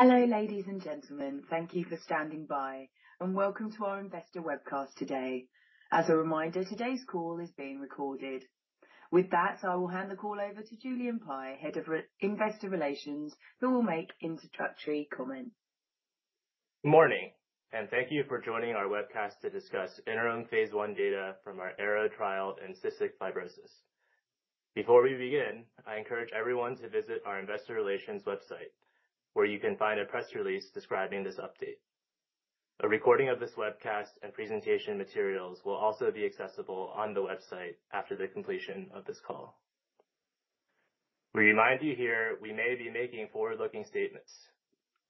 Hello, ladies and gentlemen. Thank you for standing by, and welcome to our investor webcast today. As a reminder, today's call is being recorded. With that, I will hand the call over to Julian Pei, Head of Investor Relations, who will make introductory comments. Good morning, and thank you for joining our webcast to discuss interim phase I data from our AEROW trial in cystic fibrosis. Before we begin, I encourage everyone to visit our Investor Relations website, where you can find a press release describing this update. A recording of this webcast and presentation materials will also be accessible on the website after the completion of this call. We remind you here we may be making forward-looking statements.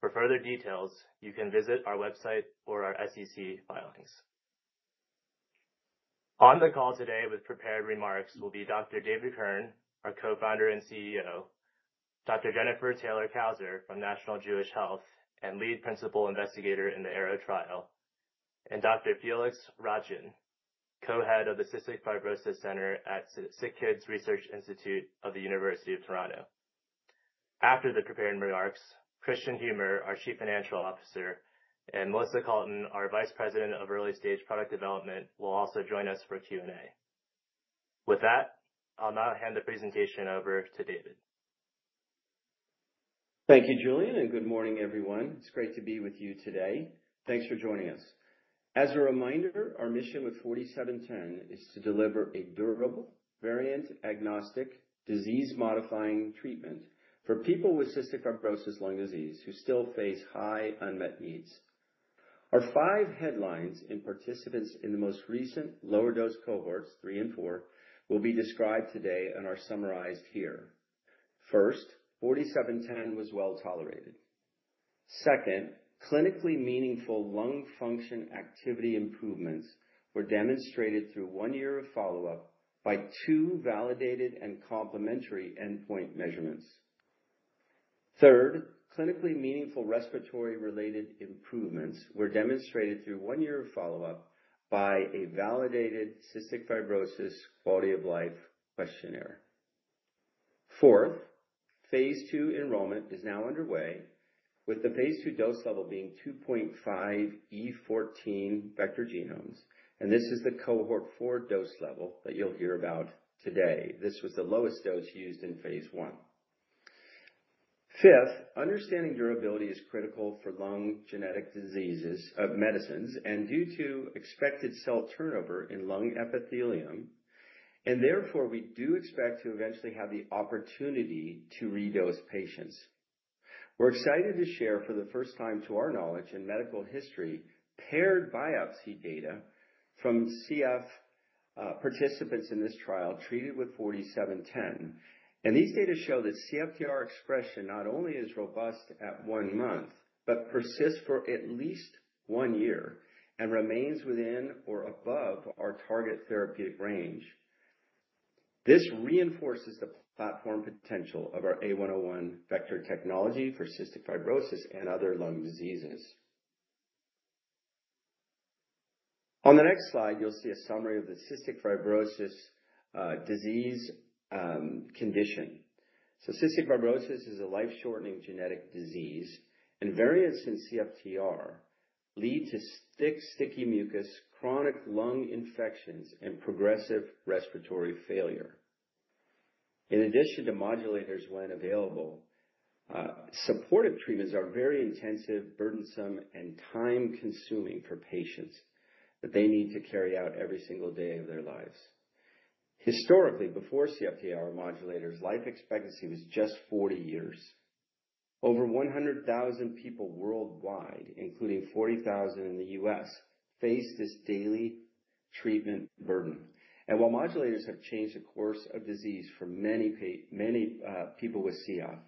For further details, you can visit our website or our SEC filings. On the call today with prepared remarks will be Dr. David Kirn, our co-founder and CEO, Dr. Jennifer Taylor-Cousar from National Jewish Health and lead principal investigator in the AEROW trial, and Dr. Felix Ratjen, Co-Head of the Cystic Fibrosis Center at SickKids Research Institute of the University of Toronto. After the prepared remarks, Christian Humer, our Chief Financial Officer, and Melissa Colton, our Vice President of Early Stage Product Development, will also join us for Q&A. With that, I'll now hand the presentation over to David. Thank you, Julian, and good morning, everyone. It's great to be with you today. Thanks for joining us. As a reminder, our mission with 4D-710 is to deliver a durable, variant-agnostic, disease-modifying treatment for people with cystic fibrosis lung disease who still face high unmet needs. Our five headlines and participants in the most recent lower-dose cohorts, three and four, will be described today and are summarized here. First, 4D-710 was well tolerated. Second, clinically meaningful lung function activity improvements were demonstrated through one year of follow-up by two validated and complementary endpoint measurements. Third, clinically meaningful respiratory-related improvements were demonstrated through one year of follow-up by a validated Cystic Fibrosis quality of life questionnaire. Fourth, phase II enrollment is now underway, with the phase II dose level being 2.5 E14 vector genomes, and this is the cohort four dose level that you'll hear about today. This was the lowest dose used in phase I. Fifth, understanding durability is critical for lung genetic medicines and due to expected cell turnover in lung epithelium, and therefore we do expect to eventually have the opportunity to redose patients. We're excited to share, for the first time to our knowledge in medical history, paired biopsy data from CF participants in this trial treated with 4D-710, and these data show that CFTR expression not only is robust at one month but persists for at least one year and remains within or above our target therapeutic range. This reinforces the platform potential of our A101 vector technology for cystic fibrosis and other lung diseases. On the next slide, you'll see a summary of the cystic fibrosis disease condition. Cystic Fibrosis is a life-shortening genetic disease, and variants in CFTR lead to thick, sticky mucus, chronic lung infections, and progressive respiratory failure. In addition to modulators, when available, supportive treatments are very intensive, burdensome, and time-consuming for patients that they need to carry out every single day of their lives. Historically, before CFTR modulators, life expectancy was just 40 years. Over 100,000 people worldwide, including 40,000 in the U.S., face this daily treatment burden. And while modulators have changed the course of disease for many people with CF,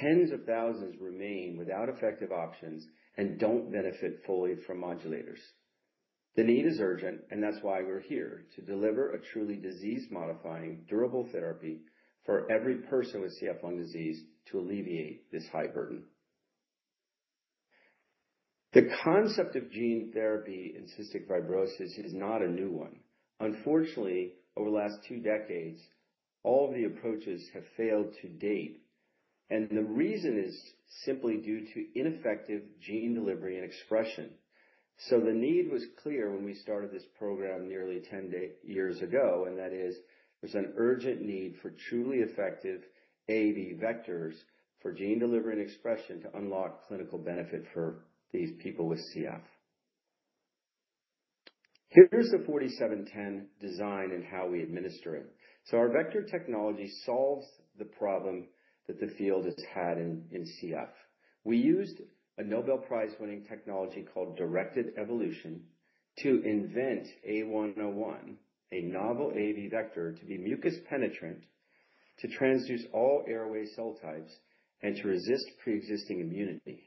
tens of thousands remain without effective options and don't benefit fully from modulators. The need is urgent, and that's why we're here, to deliver a truly disease-modifying, durable therapy for every person with CF lung disease to alleviate this high burden. The concept of gene therapy in cystic fibrosis is not a new one. Unfortunately, over the last two decades, all of the approaches have failed to date, and the reason is simply due to ineffective gene delivery and expression. The need was clear when we started this program nearly 10 years ago, and that is there's an urgent need for truly effective AAV vectors for gene delivery and expression to unlock clinical benefit for these people with CF. Here's the 4D-710 design and how we administer it. Our vector technology solves the problem that the field has had in CF. We used a Nobel Prize-winning technology called directed evolution to invent A101, a novel AAV vector to be mucus-penetrant, to transduce all airway cell types, and to resist pre-existing immunity.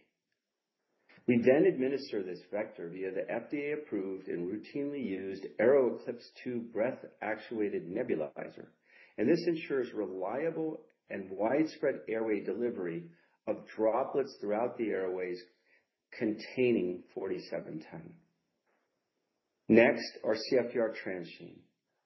We then administer this vector via the FDA-approved and routinely used AeroEclipse II breath-actuated nebulizer, and this ensures reliable and widespread airway delivery of droplets throughout the airways containing 4D-710. Next, our CFTR transgene.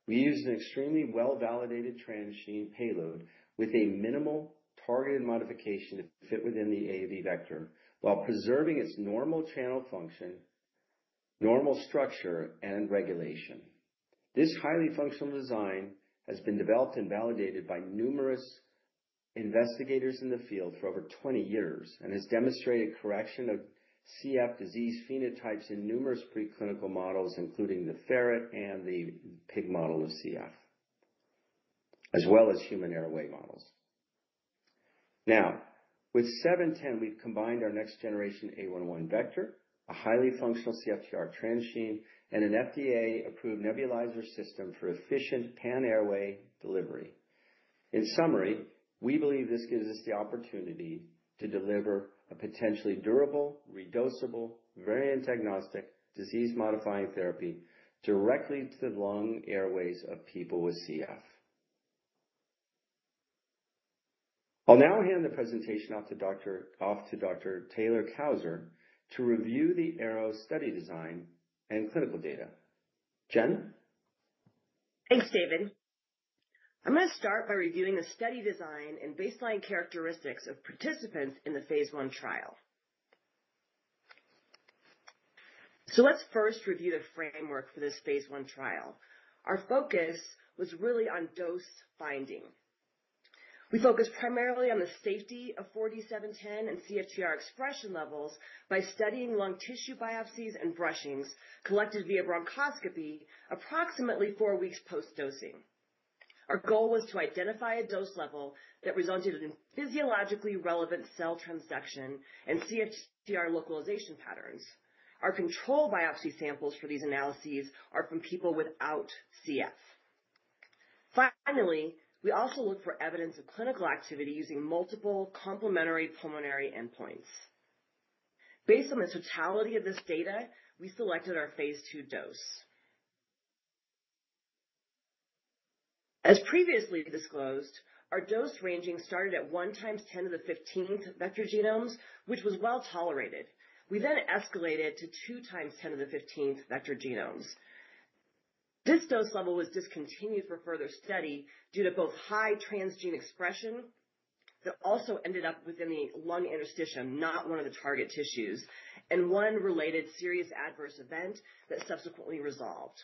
We use an extremely well-validated transgene payload with a minimal targeted modification to fit within the AAV vector while preserving its normal channel function, normal structure, and regulation. This highly functional design has been developed and validated by numerous investigators in the field for over 20 years and has demonstrated correction of CF disease phenotypes in numerous preclinical models, including the ferret and the pig model of CF, as well as human airway models. Now, with 710, we've combined our next-generation A101 vector, a highly functional CFTR transgene, and an FDA-approved nebulizer system for efficient pan-airway delivery. In summary, we believe this gives us the opportunity to deliver a potentially durable, reducible, variant-agnostic, disease-modifying therapy directly to the lung airways of people with CF. I'll now hand the presentation off to Dr. Taylor-Cousar to review the ARROW study design and clinical data. Jen? Thanks, David. I'm going to start by reviewing the study design and baseline characteristics of participants in the phase I trial. So let's first review the framework for this phase I trial. Our focus was really on dose finding. We focused primarily on the safety of 4710 and CFTR expression levels by studying lung tissue biopsies and brushings collected via bronchoscopy approximately four weeks post-dosing. Our goal was to identify a dose level that resulted in physiologically relevant cell transduction and CFTR localization patterns. Our control biopsy samples for these analyses are from people without CF. Finally, we also looked for evidence of clinical activity using multiple complementary pulmonary endpoints. Based on the totality of this data, we selected our phase II dose. As previously disclosed, our dose ranging started at 1 times 10 to the 15th vector genomes, which was well tolerated. We then escalated to 2 times 10 to the 15th vector genomes. This dose level was discontinued for further study due to both high transgene expression that also ended up within the lung interstitium, not one of the target tissues, and one related serious adverse event that subsequently resolved.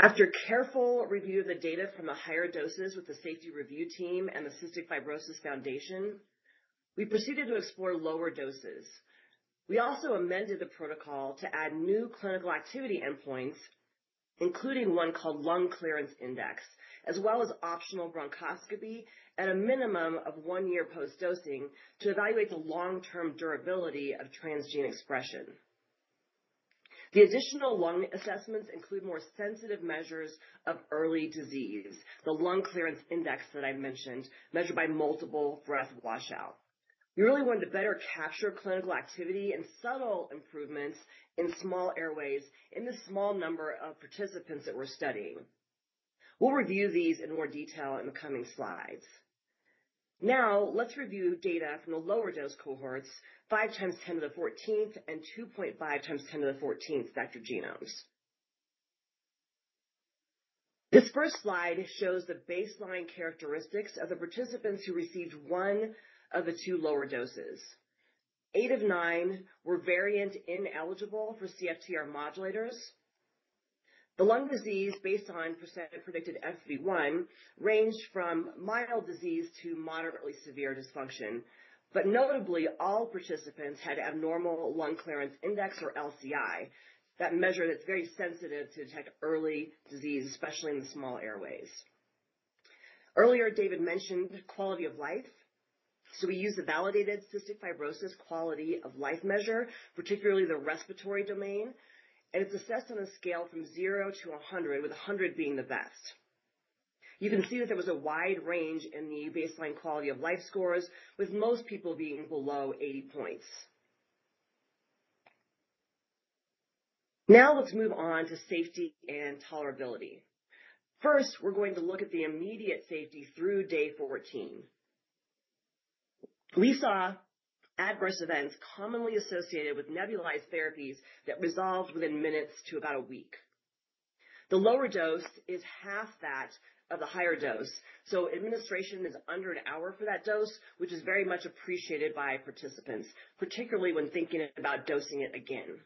After careful review of the data from the higher doses with the safety review team and the Cystic Fibrosis Foundation, we proceeded to explore lower doses. We also amended the protocol to add new clinical activity endpoints, including one called lung clearance index, as well as optional bronchoscopy at a minimum of one year post-dosing to evaluate the long-term durability of transgene expression. The additional lung assessments include more sensitive measures of early disease, the lung clearance index that I mentioned, measured by multiple breath washout. We really wanted to better capture clinical activity and subtle improvements in small airways in the small number of participants that we're studying. We'll review these in more detail in the coming slides. Now, let's review data from the lower-dose cohorts, 5 times 10 to the 14th and 2.5 times 10 to the 14th vector genomes. This first slide shows the baseline characteristics of the participants who received one of the two lower doses. Eight of nine were variant ineligible for CFTR modulators. The lung disease, based on percent predicted FEV1, ranged from mild disease to moderately severe dysfunction, but notably, all participants had abnormal lung clearance index, or LCI, that measure that's very sensitive to detect early disease, especially in the small airways. Earlier, David mentioned quality of life. So we used a validated cystic fibrosis quality of life measure, particularly the respiratory domain, and it's assessed on a scale from 0 to 100, with 100 being the best. You can see that there was a wide range in the baseline quality of life scores, with most people being below 80 points. Now, let's move on to safety and tolerability. First, we're going to look at the immediate safety through day 14. We saw adverse events commonly associated with nebulized therapies that resolved within minutes to about a week. The lower dose is half that of the higher dose, so administration is under an hour for that dose, which is very much appreciated by participants, particularly when thinking about dosing it again.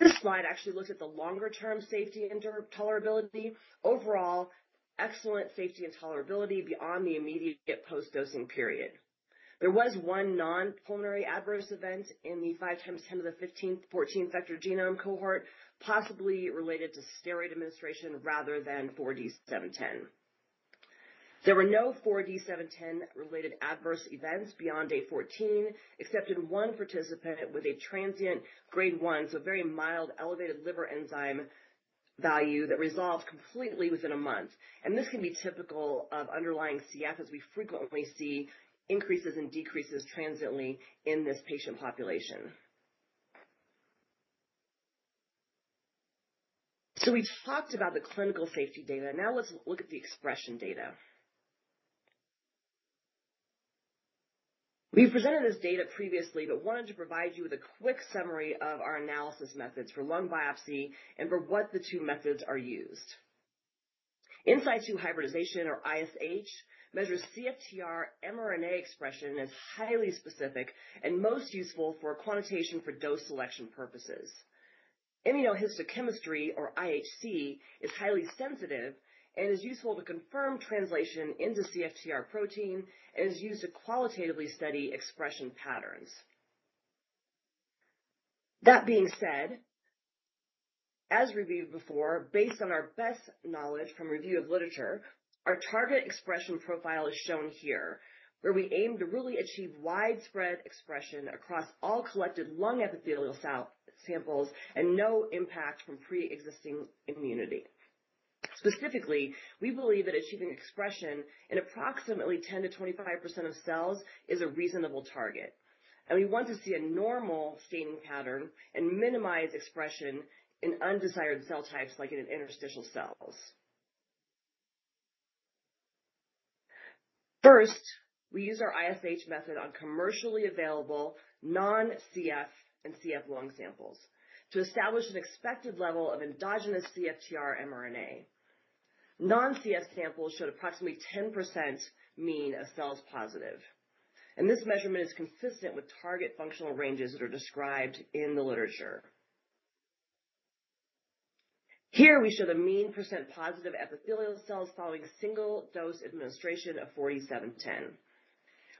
This slide actually looks at the longer-term safety and tolerability. Overall, excellent safety and tolerability beyond the immediate post-dosing period. There was one non-pulmonary adverse event in the five times 10 to the 14th vector genome cohort, possibly related to steroid administration rather than 4D-710. There were no 4D-710-related adverse events beyond day 14, except in one participant with a transient grade 1, so very mild elevated liver enzyme value that resolved completely within a month, and this can be typical of underlying CF, as we frequently see increases and decreases transiently in this patient population, so we talked about the clinical safety data. Now, let's look at the expression data. We've presented this data previously but wanted to provide you with a quick summary of our analysis methods for lung biopsy and for what the two methods are used. In situ hybridization, or ISH, measures CFTR mRNA expression as highly specific and most useful for quantitation for dose selection purposes. Immunohistochemistry, or IHC, is highly sensitive and is useful to confirm translation into CFTR protein and is used to qualitatively study expression patterns. That being said, as reviewed before, based on our best knowledge from review of literature, our target expression profile is shown here, where we aim to really achieve widespread expression across all collected lung epithelial samples and no impact from pre-existing immunity. Specifically, we believe that achieving expression in approximately 10%-25% of cells is a reasonable target, and we want to see a normal staining pattern and minimize expression in undesired cell types like in interstitial cells. First, we use our ISH method on commercially available non-CF and CF lung samples to establish an expected level of endogenous CFTR mRNA. Non-CF samples showed approximately 10% of cells positive, and this measurement is consistent with target functional ranges that are described in the literature. Here, we show the mean % positive epithelial cells following single-dose administration of 4D-710.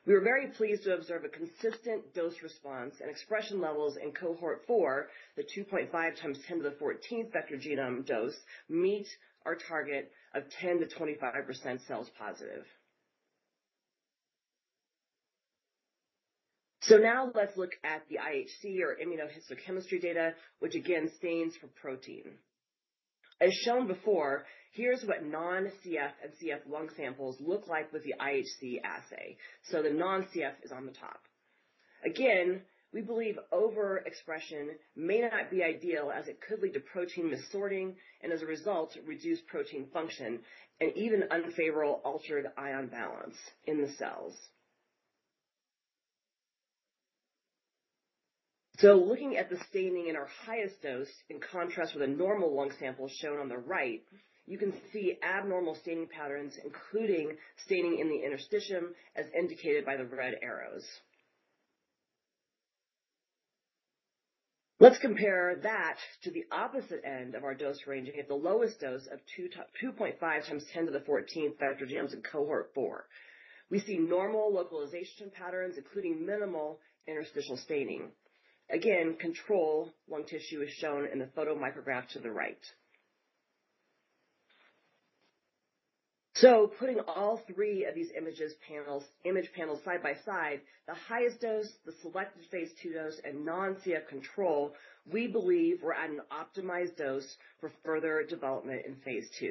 We were very pleased to observe a consistent dose response and expression levels in cohort 4, the 2.5 times 10 to the 14th vector genome dose, meet our target of 10%-25% cells positive. So now, let's look at the IHC, or immunohistochemistry data, which again stains for protein. As shown before, here's what non-CF and CF lung samples look like with the IHC assay. So the non-CF is on the top. Again, we believe overexpression may not be ideal, as it could lead to protein mis-sorting and, as a result, reduce protein function and even unfavorable altered ion balance in the cells. So looking at the staining in our highest dose in contrast with a normal lung sample shown on the right, you can see abnormal staining patterns, including staining in the interstitium, as indicated by the red arrows. Let's compare that to the opposite end of our dose ranging at the lowest dose of 2.5 times 10 to the 14th vector genome in cohort 4. We see normal localization patterns, including minimal interstitial staining. Again, control lung tissue is shown in the photomicrograph to the right. So putting all three of these image panels side by side, the highest dose, the selected phase II dose, and non-CF control, we believe we're at an optimized dose for further development in phase II.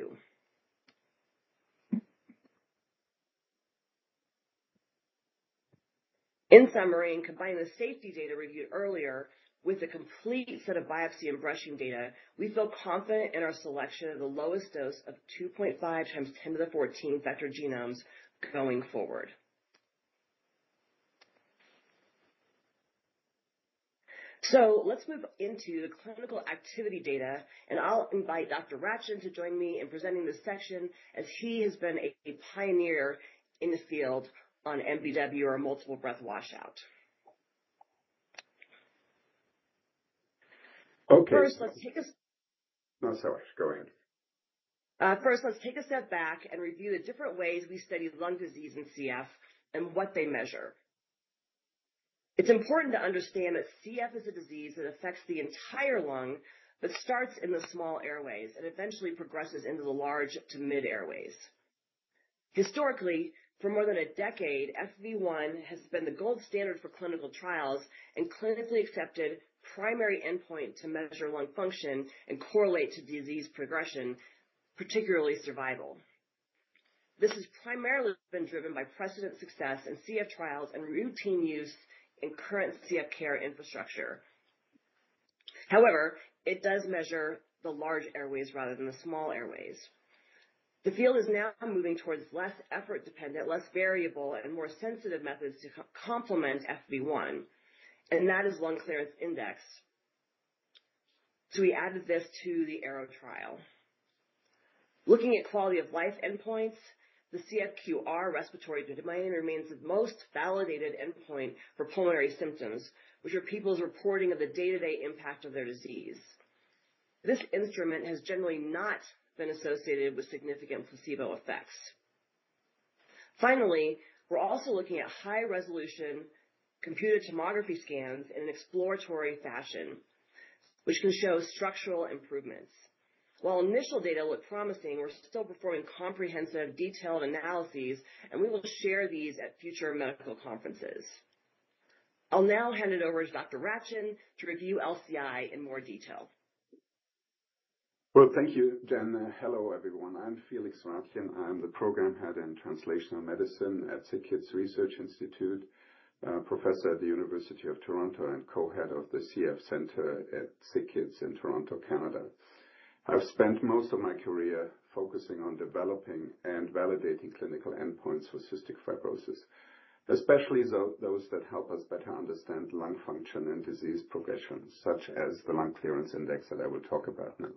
In summary, in combining the safety data reviewed earlier with a complete set of biopsy and brushing data, we feel confident in our selection of the lowest dose of 2.5 times 10 to the 14th vector genomes going forward. So let's move into the clinical activity data, and I'll invite Dr. Ratjen to join me in presenting this section as he has been a pioneer in the field on MBW or multiple breath washout. Okay. First, let's take a... No, sorry. Go ahead. First, let's take a step back and review the different ways we study lung disease and CF and what they measure. It's important to understand that CF is a disease that affects the entire lung but starts in the small airways and eventually progresses into the large to mid-airways. Historically, for more than a decade, FV1 has been the gold standard for clinical trials and clinically accepted primary endpoint to measure lung function and correlate to disease progression, particularly survival. This has primarily been driven by precedent success in CF trials and routine use in current CF care infrastructure. However, it does measure the large airways rather than the small airways. The field is now moving towards less effort-dependent, less variable, and more sensitive methods to complement FV1, and that is lung clearance index, so we added this to the AEROW trial. Looking at quality of life endpoints, the CFQ-R respiratory domain remains the most validated endpoint for pulmonary symptoms, which are people's reporting of the day-to-day impact of their disease. This instrument has generally not been associated with significant placebo effects. Finally, we're also looking at high-resolution computed tomography scans in an exploratory fashion, which can show structural improvements. While initial data look promising, we're still performing comprehensive, detailed analyses, and we will share these at future medical conferences. I'll now hand it over to Dr. Ratjen to review LCI in more detail. Thank you, Jen. Hello, everyone. I'm Felix Ratjen. I'm the program head in translational medicine at SickKids Research Institute, professor at the University of Toronto, and co-head of the CF Center at SickKids in Toronto, Canada. I've spent most of my career focusing on developing and validating clinical endpoints for cystic fibrosis, especially those that help us better understand lung function and disease progression, such as the lung clearance index that I will talk about now.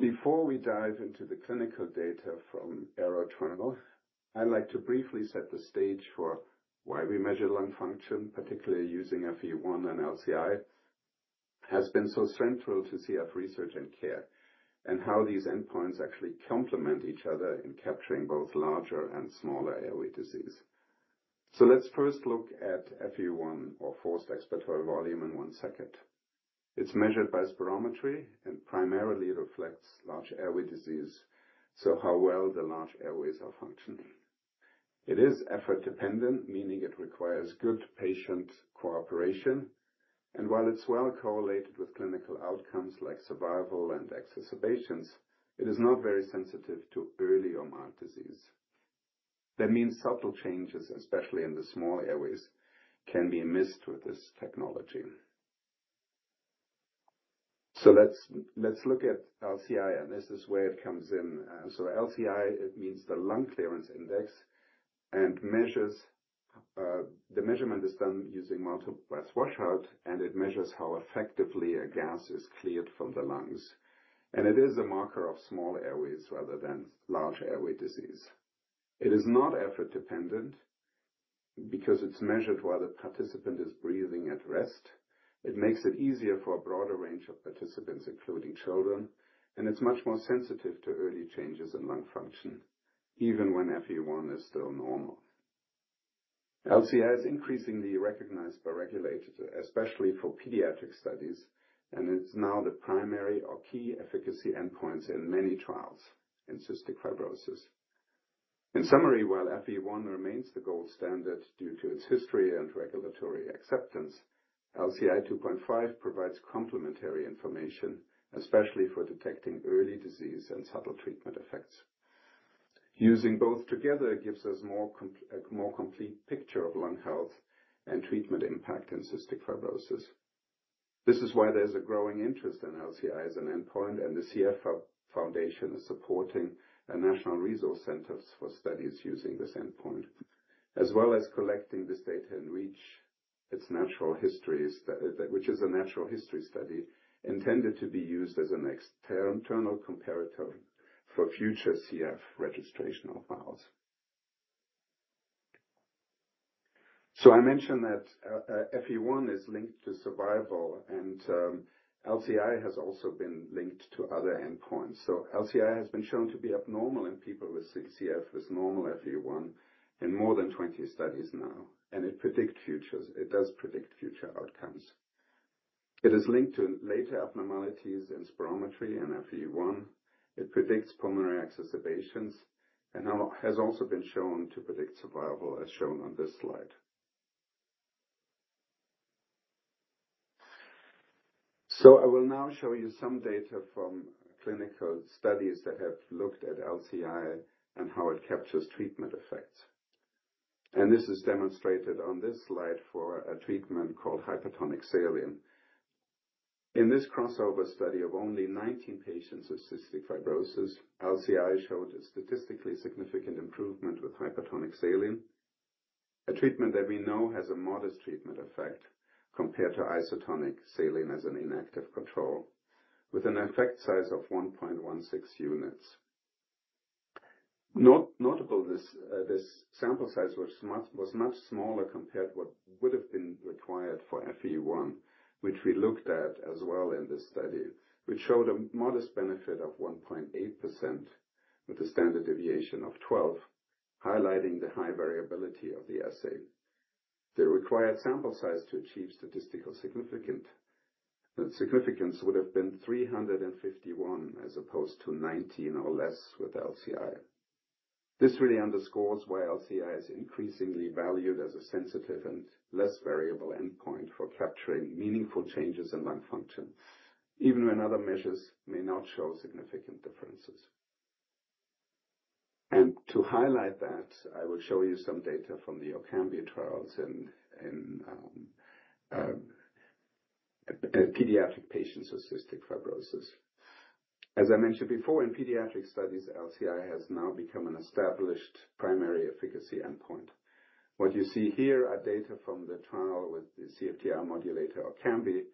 Before we dive into the clinical data from the AEROW trial, I'd like to briefly set the stage for why we measure lung function, particularly using FEV1 and LCI, has been so central to CF research and care, and how these endpoints actually complement each other in capturing both larger and smaller airway disease. Let's first look at FEV1, or forced expiratory volume, in one second. It's measured by Spirometry, and primarily, it reflects large airway disease, so how well the large airways are functioning. It is effort-dependent, meaning it requires good patient cooperation, and while it's well correlated with clinical outcomes like survival and exacerbations, it is not very sensitive to early or mild disease. That means subtle changes, especially in the small airways, can be missed with this technology, so let's look at LCI, and this is where it comes in, so LCI means the lung clearance index, and the measurement is done using multiple breath washout, and it measures how effectively a gas is cleared from the lungs, and it is a marker of small airways rather than large airway disease. It is not effort-dependent because it's measured while the participant is breathing at rest. It makes it easier for a broader range of participants, including children, and it's much more sensitive to early changes in lung function, even when FEV1 is still normal. LCI is increasingly recognized by regulators, especially for pediatric studies, and it's now the primary or key efficacy endpoints in many trials in cystic fibrosis. In summary, while FEV1 remains the gold standard due to its history and regulatory acceptance, LCI 2.5 provides complementary information, especially for detecting early disease and subtle treatment effects. Using both together gives us a more complete picture of lung health and treatment impact in Cystic Fibrosis. This is why there's a growing interest in LCI as an endpoint, and the CF Foundation is supporting a national resource center for studies using this endpoint, as well as collecting this data and REACH its natural history study, which is a natural history study intended to be used as an external comparator for future CF registration trials. So I mentioned that FEV1 is linked to survival, and LCI has also been linked to other endpoints. So LCI has been shown to be abnormal in people with CF with normal FEV1 in more than 20 studies now, and it predicts future. It does predict future outcomes. It is linked to later abnormalities in spirometry and FEV1. It predicts pulmonary exacerbations and has also been shown to predict survival, as shown on this slide. I will now show you some data from clinical studies that have looked at LCI and how it captures treatment effects. This is demonstrated on this slide for a treatment called hypertonic saline. In this crossover study of only 19 patients with cystic fibrosis, LCI showed a statistically significant improvement with hypertonic saline, a treatment that we know has a modest treatment effect compared to isotonic saline as an inactive control, with an effect size of 1.16 units. Notably, this sample size was much smaller compared to what would have been required for FEV1, which we looked at as well in this study, which showed a modest benefit of 1.8% with a standard deviation of 12, highlighting the high variability of the assay. The required sample size to achieve statistical significance would have been 351 as opposed to 19 or less with LCI. This really underscores why LCI is increasingly valued as a sensitive and less variable endpoint for capturing meaningful changes in lung function, even when otFher measures may not show significant differences, and to highlight that, I will show you some data from the Orkambi trials in pediatric patients with Cystic Fibrosis. As I mentioned before, in pediatric studies, LCI has now become an established primary efficacy endpoint. What you see here are data from the trial with the CFTR modulator Orkambi,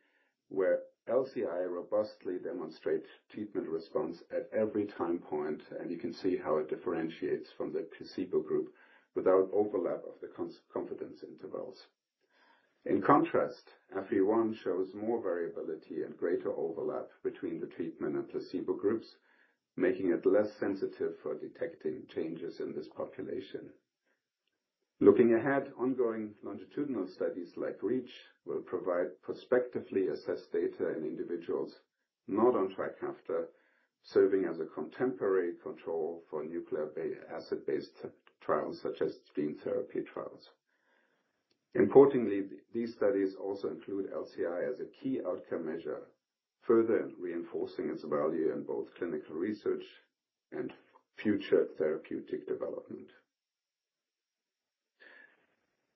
where LCI robustly demonstrates treatment response at every time point, and you can see how it differentiates from the placebo group without overlap of the confidence intervals. In contrast, FEV1 shows more variability and greater overlap between the treatment and placebo groups, making it less sensitive for detecting changes in this population. Looking ahead, ongoing longitudinal studies like REACH will provide prospectively assessed data in individuals not on Trikafta, serving as a contemporary control for nucleic acid-based trials such as gene therapy trials. Importantly, these studies also include LCI as a key outcome measure, further reinforcing its value in both clinical research and future therapeutic development.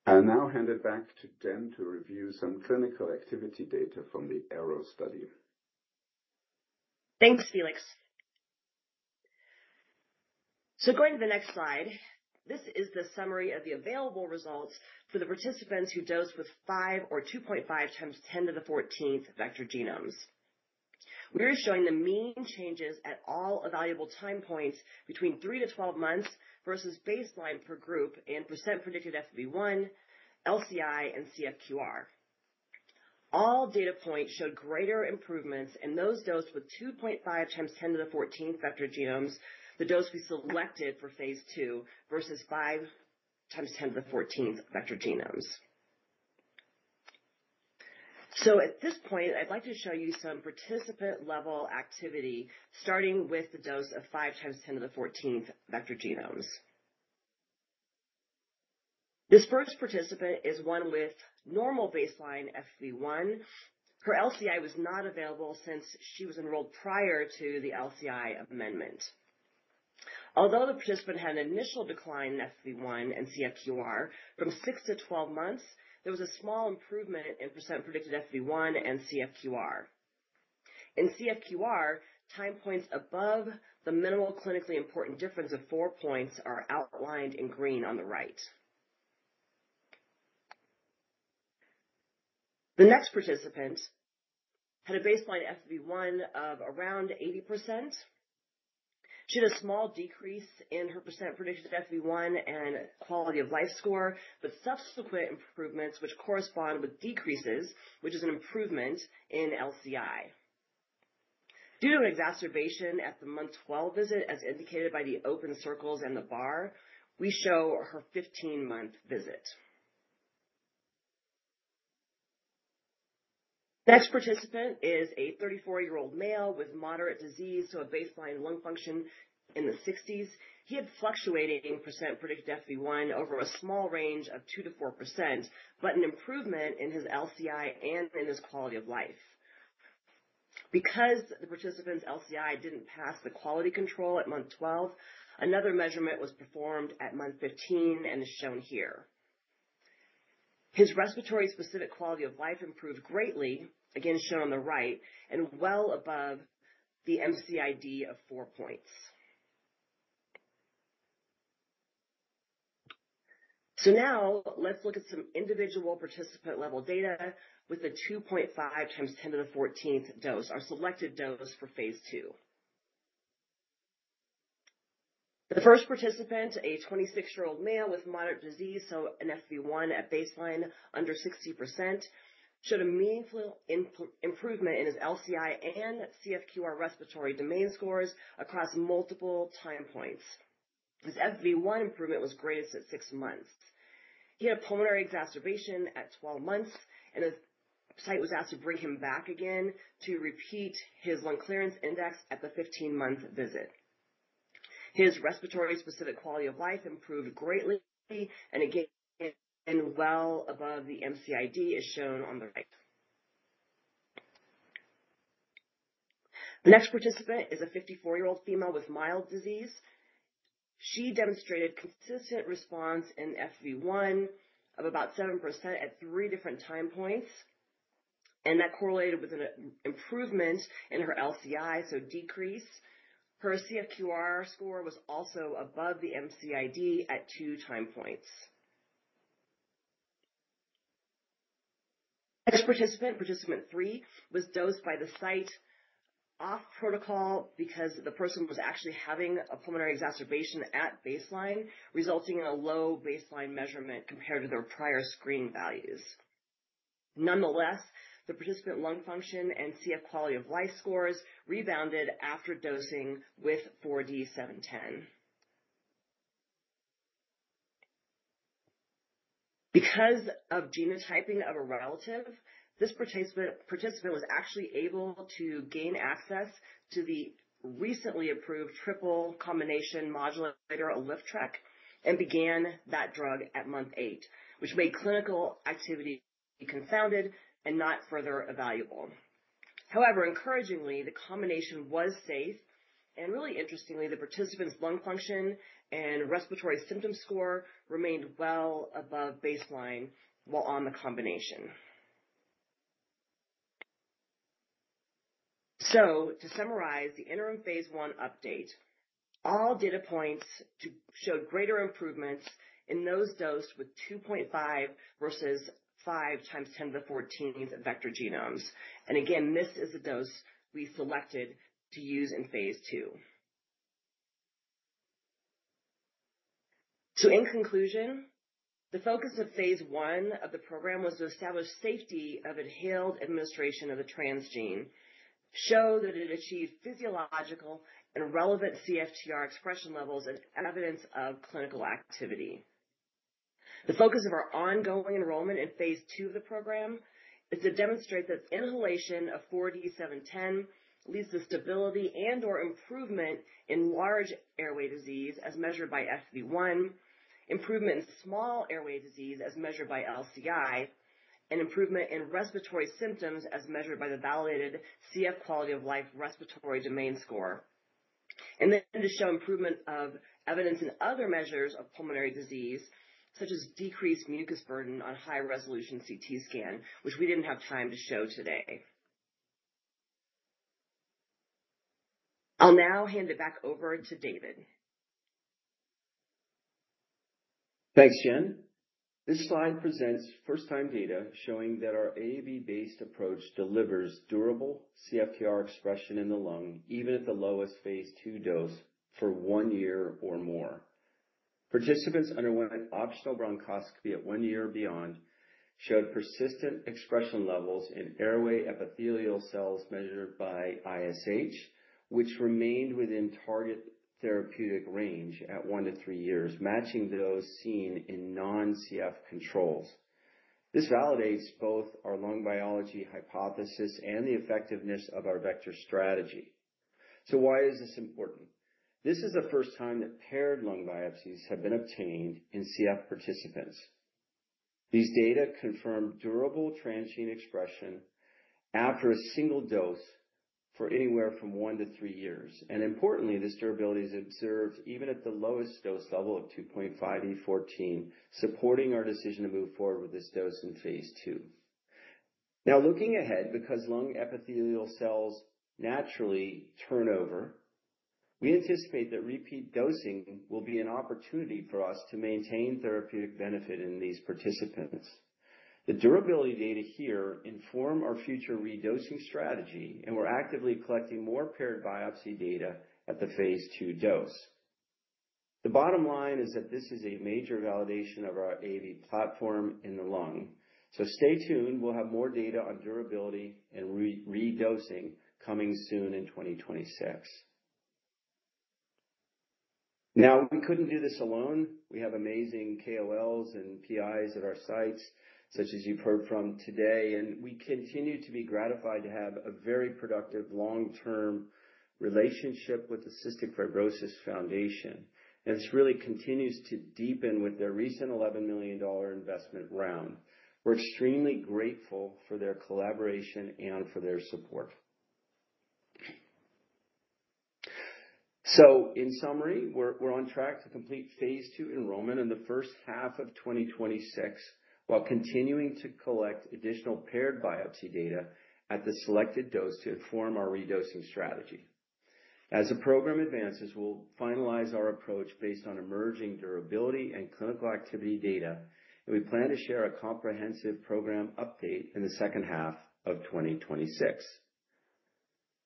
I'll now hand it back to Jen to review some clinical activity data from the AEROW study. Thanks, Felix. So going to the next slide, this is the summary of the available results for the participants who dosed with 5 or 2.5 times 10 to the 14th vector genomes. We're showing the mean changes at all available time points between 3 to 12 months versus baseline per group in % predicted FEV1, LCI, and CFQ-R. All data points showed greater improvements in those dosed with 2.5 times 10 to the 14th vector genomes, the dose we selected for phase II, versus 5 times 10 to the 14th vector genomes. So at this point, I'd like to show you some participant-level activity, starting with the dose of 5 times 10 to the 14th vector genomes. This first participant is one with normal baseline FEV1. Her LCI was not available since she was enrolled prior to the LCI amendment. Although the participant had an initial decline in FEV1 and CFQ-R from six to 12 months, there was a small improvement in percent predicted FEV1 and CFQ-R. In CFQ-R, time points above the minimal clinically important difference of four points are outlined in green on the right. The next participant had a baseline FEV1 of around 80%. She had a small decrease in her percent predicted FEV1 and quality of life score, but subsequent improvements, which correspond with decreases, which is an improvement in LCI. Due to an exacerbation at the month 12 visit, as indicated by the open circles and the bar, we show her 15-month visit. The next participant is a 34-year-old male with moderate disease to a baseline lung function in the 60s. He had fluctuating percent predicted FEV1 over a small range of 2-4%, but an improvement in his LCI and in his quality of life. Because the participant's LCI didn't pass the quality control at month 12, another measurement was performed at month 15 and is shown here. His respiratory specific quality of life improved greatly, again shown on the right, and well above the MCID of 4 points. So now, let's look at some individual participant-level data with the 2.5 times 10 to the 14th dose, our selected dose for phase II. The first participant, a 26-year-old male with moderate disease to an FEV1 at baseline under 60%, showed a meaningful improvement in his LCI and CFQ-R respiratory domain scores across multiple time points. His FEV1 improvement was greatest at 6 months. He had a pulmonary exacerbation at 12 months, and the site was asked to bring him back again to repeat his lung clearance index at the 15-month visit. His respiratory specific quality of life improved greatly and again well above the MCID, as shown on the right. The next participant is a 54-year-old female with mild disease. She demonstrated consistent response in FEV1 of about 7% at three different time points, and that correlated with an improvement in her LCI, so decrease. Her CFQ-R score was also above the MCID at two time points. The next participant, participant 3, was dosed by the site off protocol because the person was actually having a pulmonary exacerbation at baseline, resulting in a low baseline measurement compared to their prior screening values. Nonetheless, the participant lung function and CF quality of life scores rebounded after dosing with 4D-710. Because of genotyping of a relative, this participant was actually able to gain access to the recently approved triple combination modulator, Trikafta, and began that drug at month 8, which made clinical activity confounded and not further evaluable. However, encouragingly, the combination was safe and really interestingly, the participant's lung function and respiratory symptom score remained well above baseline while on the combination, so to summarize the interim phase I update, all data points showed greater improvements in those dosed with 2.5 versus 5 times 10 to the 14th vector genomes, and again, this is the dose we selected to use in phase II, so in conclusion, the focus of phase I of the program was to establish safety of inhaled administration of the transgene, show that it achieved physiological and relevant CFTR expression levels, and evidence of clinical activity. The focus of our ongoing enrollment in phase II of the program is to demonstrate that inhalation of 4D-710 leads to stability and/or improvement in large airway disease as measured by FEV1, improvement in small airway disease as measured by LCI, and improvement in respiratory symptoms as measured by the validated CFQ-R respiratory domain score, and then to show improvement or evidence in other measures of pulmonary disease, such as decreased mucus burden on high-resolution CT scan, which we didn't have time to show today. I'll now hand it back over to David. Thanks, Jen. This slide presents first-time data showing that our AAV-based approach delivers durable CFTR expression in the lung, even at the lowest phase II dose for one year or more. Participants underwent optional bronchoscopy at one year beyond, showed persistent expression levels in airway epithelial cells measured by ISH, which remained within target therapeutic range at one to three years, matching those seen in non-CF controls. This validates both our lung biology hypothesis and the effectiveness of our vector strategy. So why is this important? This is the first time that paired lung biopsies have been obtained in CF participants. These data confirm durable transgene expression after a single dose for anywhere from one to three years. And importantly, this durability is observed even at the lowest dose level of 2.5e14, supporting our decision to move forward with this dose in phase II. Now, looking ahead, because lung epithelial cells naturally turn over, we anticipate that repeat dosing will be an opportunity for us to maintain therapeutic benefit in these participants. The durability data here inform our future redosing strategy, and we're actively collecting more paired biopsy data at the phase II dose. The bottom line is that this is a major validation of our AAV platform in the lung, so stay tuned. We'll have more data on durability and redosing coming soon in 2026. Now, we couldn't do this alone. We have amazing KOLs and PIs at our sites, such as you've heard from today, and we continue to be gratified to have a very productive long-term relationship with the Cystic Fibrosis Foundation, and this really continues to deepen with their recent $11 million investment round. We're extremely grateful for their collaboration and for their support. In summary, we're on track to complete phase II enrollment in the first half of 2026 while continuing to collect additional paired biopsy data at the selected dose to inform our redosing strategy. As the program advances, we'll finalize our approach based on emerging durability and clinical activity data, and we plan to share a comprehensive program update in the second half of 2026.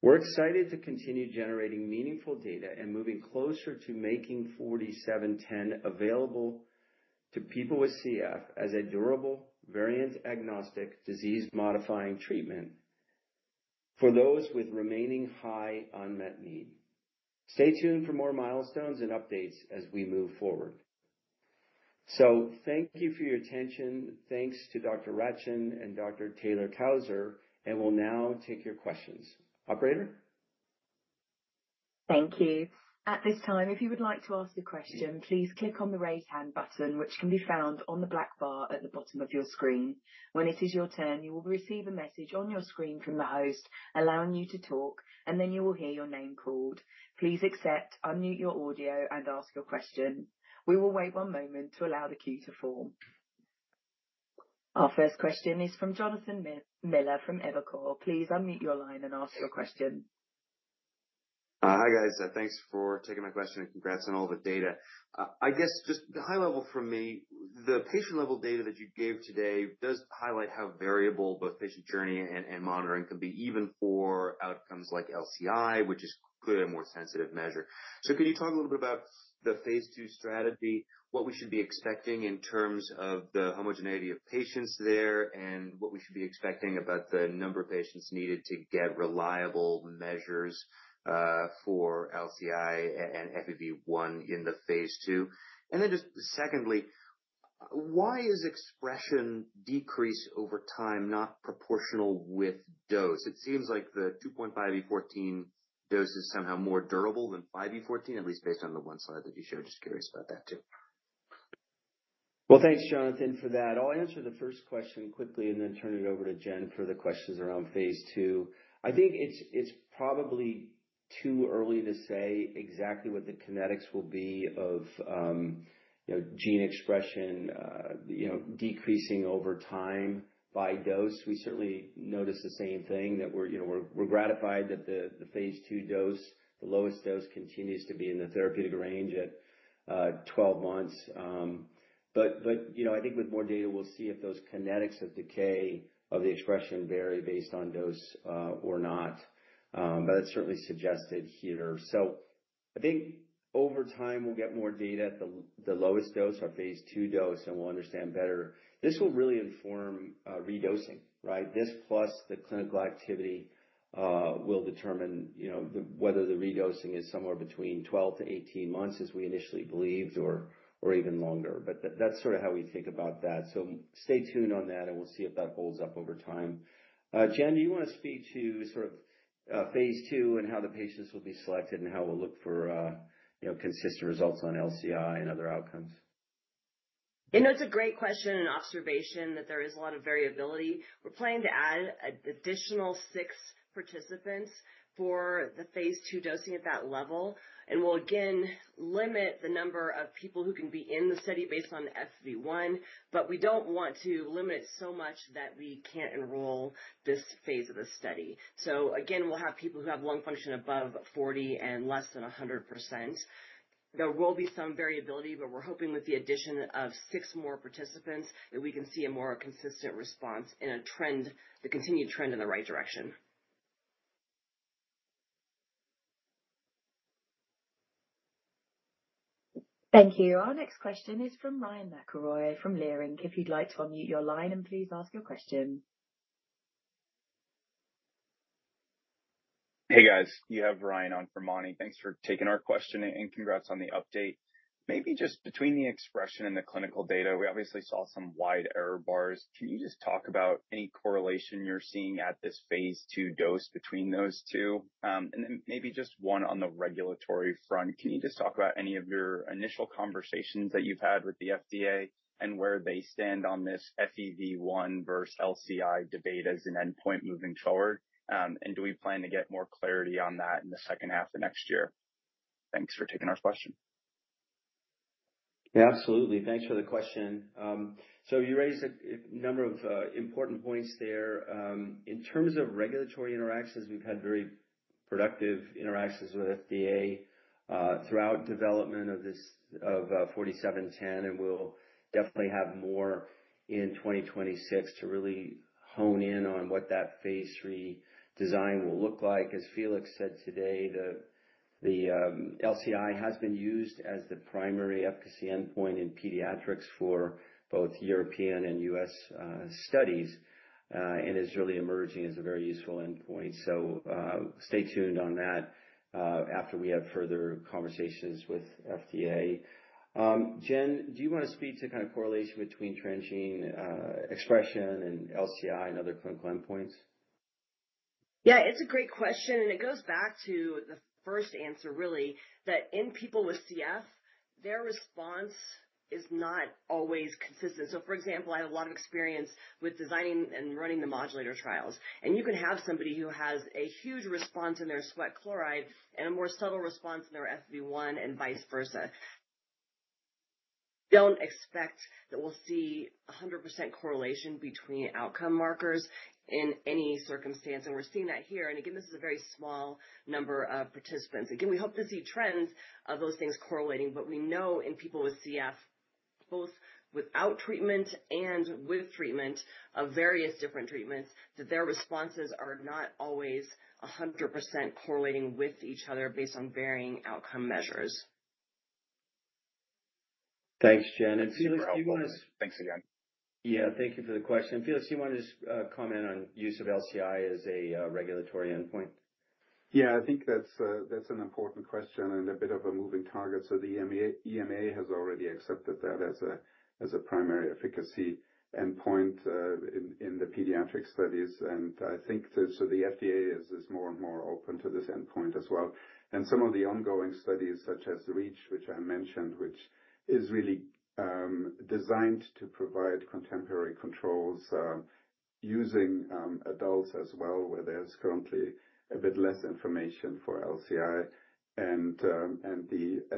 We're excited to continue generating meaningful data and moving closer to making 4D-710 available to people with CF as a durable, variant-agnostic, disease-modifying treatment for those with remaining high unmet need. Stay tuned for more milestones and updates as we move forward. Thank you for your attention. Thanks to Dr. Ratjen and Dr. Taylor-Cousar, and we'll now take your questions. Operator? Thank you. At this time, if you would like to ask a question, please click on the raise hand button, which can be found on the black bar at the bottom of your screen. When it is your turn, you will receive a message on your screen from the host allowing you to talk, and then you will hear your name called. Please accept, unmute your audio, and ask your question. We will wait one moment to allow the queue to form. Our first question is from Jonathan Miller from Evercore. Please unmute your line and ask your question. Hi, guys. Thanks for taking my question and congrats on all the data. I guess just the high level for me, the patient-level data that you gave today does highlight how variable both patient journey and monitoring can be, even for outcomes like LCI, which is clearly a more sensitive measure. So can you talk a little bit about the phase II strategy, what we should be expecting in terms of the homogeneity of patients there, and what we should be expecting about the number of patients needed to get reliable measures for LCI and FEV1 in the phase II? And then just secondly, why is expression decrease over time not proportional with dose? It seems like the 2.5d14 dose is somehow more durable than 5d14, at least based on the one slide that you showed. Just curious about that too. Thanks, Jonathan, for that. I'll answer the first question quickly and then turn it over to Jen for the questions around phase II. I think it's probably too early to say exactly what the kinetics will be of gene expression decreasing over time by dose. We certainly notice the same thing, that we're gratified that the phase II dose, the lowest dose, continues to be in the therapeutic range at 12 months. But I think with more data, we'll see if those kinetics of decay of the expression vary based on dose or not. But that's certainly suggested here. So I think over time, we'll get more data at the lowest dose, our phase II dose, and we'll understand better. This will really inform redosing, right? This plus the clinical activity will determine whether the redosing is somewhere between 12 to 18 months, as we initially believed, or even longer. But that's sort of how we think about that. So stay tuned on that, and we'll see if that holds up over time. Jen, do you want to speak to sort of phase II and how the patients will be selected and how we'll look for consistent results on LCI and other outcomes? You know, it's a great question and observation that there is a lot of variability. We're planning to add an additional six participants for the phase II dosing at that level, and we'll again limit the number of people who can be in the study based on FEV1, but we don't want to limit it so much that we can't enroll this phase of the study, so again, we'll have people who have lung function above 40% and less than 100%. There will be some variability, but we're hoping with the addition of six more participants that we can see a more consistent response and a continued trend in the right direction. Thank you. Our next question is from Ryan McElroy from Leerink. If you'd like to unmute your line and please ask your question. Hey, guys. You have Ryan on for Moni. Thanks for taking our question and congrats on the update. Maybe just between the expression and the clinical data, we obviously saw some wide error bars. Can you just talk about any correlation you're seeing at this phase II dose between those two? And then maybe just one on the regulatory front. Can you just talk about any of your initial conversations that you've had with the FDA and where they stand on this FEV1 versus LCI debate as an endpoint moving forward? And do we plan to get more clarity on that in the second half of next year? Thanks for taking our question. Yeah, absolutely. Thanks for the question. So you raised a number of important points there. In terms of regulatory interactions, we've had very productive interactions with FDA throughout development of this 4D-710, and we'll definitely have more in 2026 to really hone in on what that phase III design will look like. As Felix said today, the LCI has been used as the primary efficacy endpoint in pediatrics for both European and U.S. studies and is really emerging as a very useful endpoint. So stay tuned on that after we have further conversations with FDA. Jen, do you want to speak to kind of correlation between transgene expression and LCI and other clinical endpoints? Yeah, it's a great question. And it goes back to the first answer, really, that in people with CF, their response is not always consistent. So for example, I have a lot of experience with designing and running the modulator trials. And you can have somebody who has a huge response in their sweat chloride and a more subtle response in their FEV1 and vice versa. Don't expect that we'll see 100% correlation between outcome markers in any circumstance. And we're seeing that here. And again, this is a very small number of participants. Again, we hope to see trends of those things correlating, but we know in people with CF, both without treatment and with treatment of various different treatments, that their responses are not always 100% correlating with each other based on varying outcome measures. Thanks, Jen. And Felix, do you want to? Thanks again. Yeah, thank you for the question. Felix, do you want to just comment on use of LCI as a regulatory endpoint? Yeah, I think that's an important question and a bit of a moving target. So the EMA has already accepted that as a primary efficacy endpoint in the pediatric studies. And I think so the FDA is more and more open to this endpoint as well. And some of the ongoing studies, such as REACH, which I mentioned, which is really designed to provide contemporary controls using adults as well, where there's currently a bit less information for LCI. And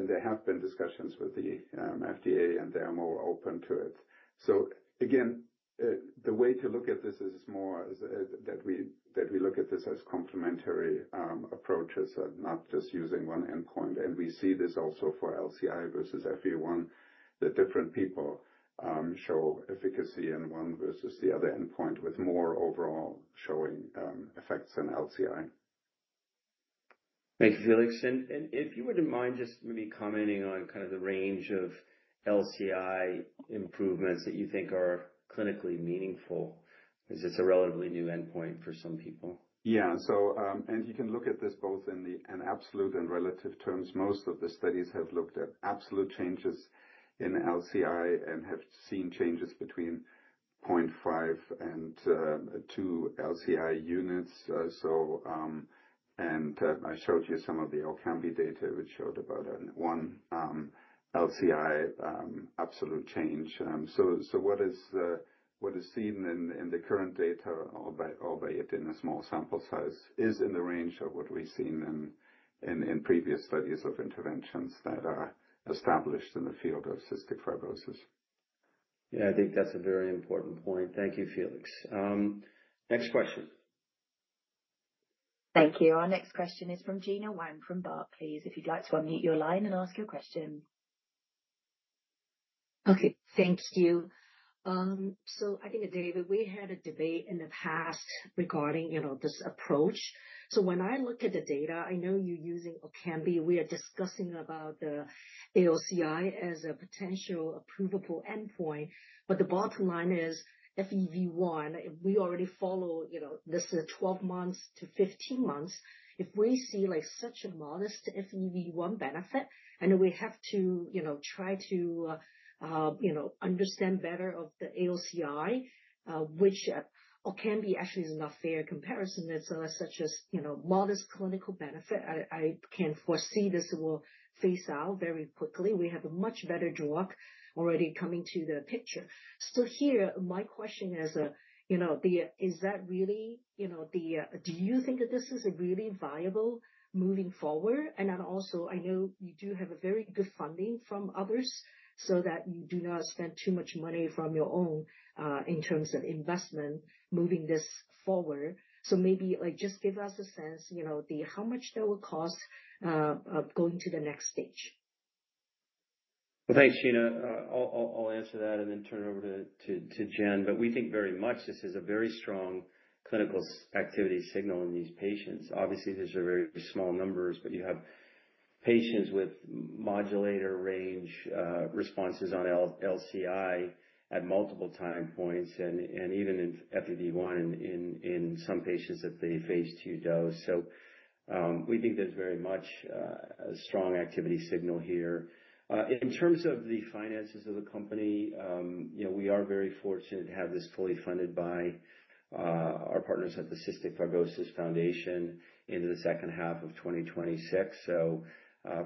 there have been discussions with the FDA, and they are more open to it. So again, the way to look at this is more that we look at this as complementary approaches, not just using one endpoint. And we see this also for LCI versus FEV1, that different people show efficacy in one versus the other endpoint, with more overall showing effects in LCI. Thank you, Felix. And if you wouldn't mind just maybe commenting on kind of the range of LCI improvements that you think are clinically meaningful, as it's a relatively new endpoint for some people. Yeah. And you can look at this both in the absolute and relative terms. Most of the studies have looked at absolute changes in LCI and have seen changes between 0.5 and 2 LCI units. And I showed you some of the Orkambi data, which showed about one LCI absolute change. So what is seen in the current data, albeit in a small sample size, is in the range of what we've seen in previous studies of interventions that are established in the field of Cystic Fibrosis. Yeah, I think that's a very important point. Thank you, Felix. Next question. Thank you. Our next question is from Gena Wang from Barclays, please, if you'd like to unmute your line and ask your question. Okay, thank you. So I think, David, we had a debate in the past regarding this approach. So when I look at the data, I know you're using Orkambi. We are discussing about the CFQ-R as a potential approvable endpoint. But the bottom line is FEV1, we already follow this 12 months to 15 months. If we see such a modest FEV1 benefit, I know we have to try to understand better of the CFQ-R, which Orkambi actually is not a fair comparison. It's such a modest clinical benefit. I can foresee this will phase out very quickly. We have a much better drug already coming to the picture. So here, my question is, is that really the do you think that this is really viable moving forward? And also, I know you do have very good funding from others so that you do not spend too much money from your own in terms of investment moving this forward. So maybe just give us a sense of how much that will cost going to the next stage. Thanks, Gena. I'll answer that and then turn it over to Jen. But we think very much this is a very strong clinical activity signal in these patients. Obviously, these are very small numbers, but you have patients with modulator range responses on LCI at multiple time points and even FEV1 in some patients at the phase II dose. So we think there's very much a strong activity signal here. In terms of the finances of the company, we are very fortunate to have this fully funded by our partners at the Cystic Fibrosis Foundation into the second half of 2026. So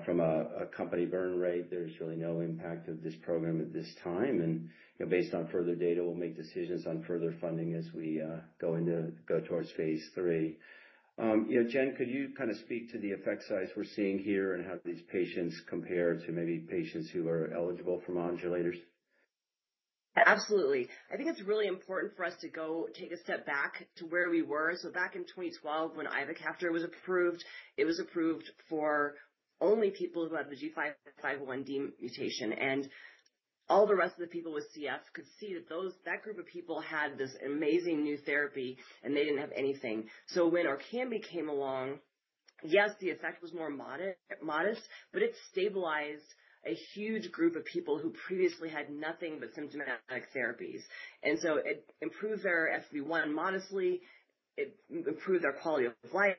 from a company burn rate, there's really no impact of this program at this time. And based on further data, we'll make decisions on further funding as we go towards phase III. Jen, could you kind of speak to the effect size we're seeing here and how these patients compare to maybe patients who are eligible for modulators? Absolutely. I think it's really important for us to go take a step back to where we were. Back in 2012, when Ivacaftor was approved, it was approved for only people who had the G551D mutation. And all the rest of the people with CF could see that that group of people had this amazing new therapy, and they didn't have anything. When Orkambi came along, yes, the effect was more modest, but it stabilized a huge group of people who previously had nothing but symptomatic therapies. And so it improved their FEV1 modestly. It improved their quality of life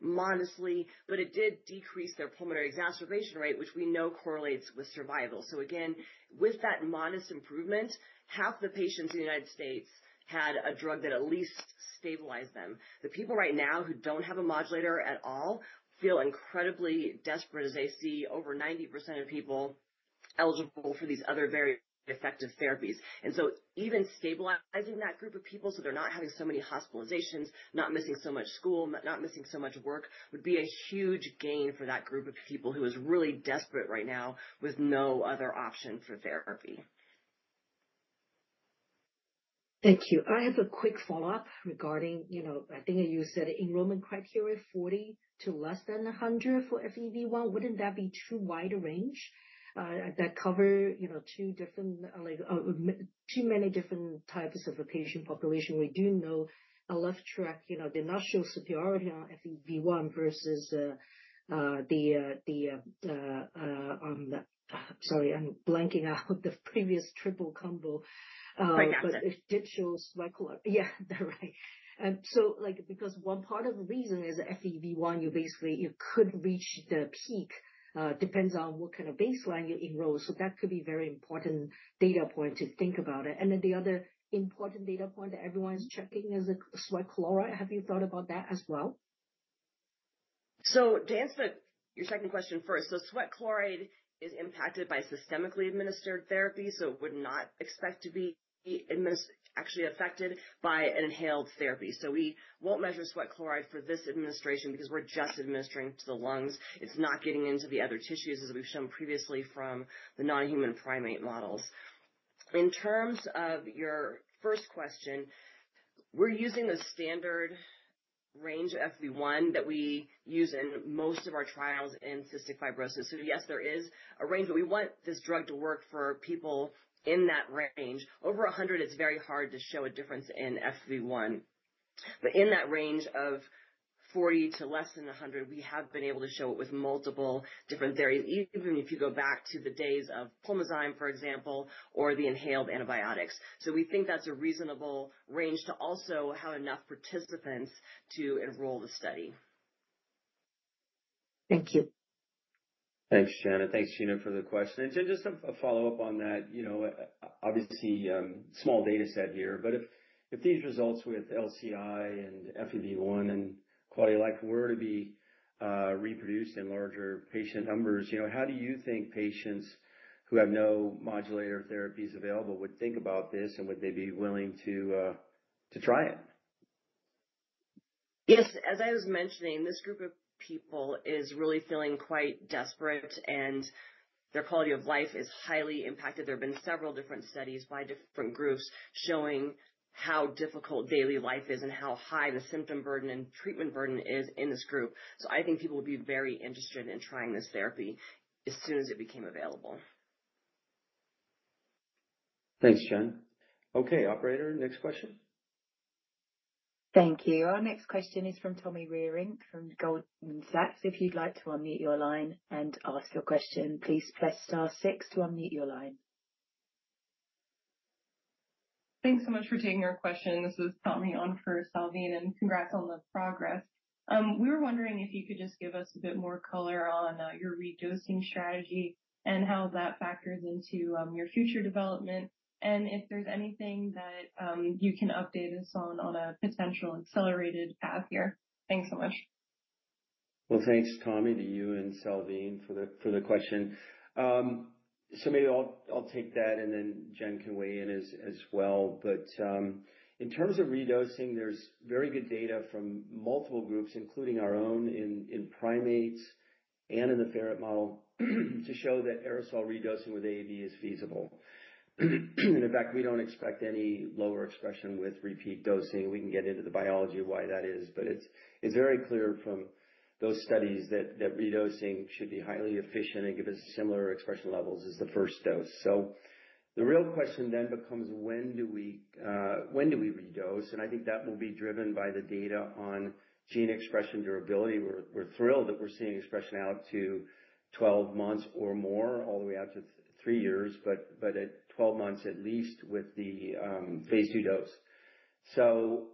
modestly, but it did decrease their pulmonary exacerbation rate, which we know correlates with survival. Again, with that modest improvement, half the patients in the United States had a drug that at least stabilized them. The people right now who don't have a modulator at all feel incredibly desperate, as I see over 90% of people eligible for these other very effective therapies, and so even stabilizing that group of people so they're not having so many hospitalizations, not missing so much school, not missing so much work would be a huge gain for that group of people who is really desperate right now with no other option for therapy. Thank you. I have a quick follow-up regarding, I think you said enrollment criteria 40 to less than 100 for FEV1. Wouldn't that be too wide a range that cover too many different types of patient population? We do know Trikafta, they now show superiority on FEV1 versus the, sorry, I'm blanking out the previous triple combo. Right now. But it did show sweat chloride. Yeah, right. So because one part of the reason is FEV1, you basically could reach the peak. It depends on what kind of baseline you enroll. So that could be a very important data point to think about. And then the other important data point that everyone's checking is the sweat chloride. Have you thought about that as well? So to answer your second question first, so sweat chloride is impacted by systemically administered therapy, so it would not expect to be actually affected by an inhaled therapy. So we won't measure sweat chloride for this administration because we're just administering to the lungs. It's not getting into the other tissues, as we've shown previously from the non-human primate models. In terms of your first question, we're using the standard range of FEV1 that we use in most of our trials in cystic fibrosis. So yes, there is a range, but we want this drug to work for people in that range. Over 100, it's very hard to show a difference in FEV1. But in that range of 40 to less than 100, we have been able to show it with multiple different theories, even if you go back to the days of Pulmozyme, for example, or the inhaled antibiotics. So we think that's a reasonable range to also have enough participants to enroll the study. Thank you. Thanks, Jen. And thanks, Gina, for the question. And Jen, just a follow-up on that. Obviously, small data set here, but if these results with LCI and FEV1 and quality of life were to be reproduced in larger patient numbers, how do you think patients who have no modulator therapies available would think about this, and would they be willing to try it? Yes. As I was mentioning, this group of people is really feeling quite desperate, and their quality of life is highly impacted. There have been several different studies by different groups showing how difficult daily life is and how high the symptom burden and treatment burden is in this group. So I think people would be very interested in trying this therapy as soon as it became available. Thanks, Jen. Okay, operator, next question. Thank you. Our next question is from Tommie Reerink from Goldman Sachs. If you'd like to unmute your line and ask your question, please press star six to unmute your line. Thanks so much for taking our question. This is Tommie on for Salveen, and congrats on the progress. We were wondering if you could just give us a bit more color on your redosing strategy and how that factors into your future development, and if there's anything that you can update us on on a potential accelerated path here. Thanks so much. Thanks, Tommie, to you and Salveen for the question. Maybe I'll take that, and then Jen can weigh in as well. In terms of redosing, there's very good data from multiple groups, including our own in primates and in the ferret model, to show that aerosol redosing with AAV is feasible. In fact, we don't expect any lower expression with repeat dosing. We can get into the biology of why that is. It's very clear from those studies that redosing should be highly efficient and give us similar expression levels as the first dose. The real question then becomes, when do we redose? I think that will be driven by the data on gene expression durability. We're thrilled that we're seeing expression out to 12 months or more, all the way out to three years, but at 12 months at least with the phase II dose. So